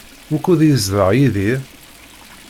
Wukud yezdeɣ Yidir?